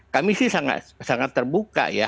kami sih sangat terbuka ya